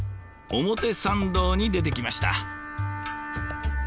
表参道に出てきました。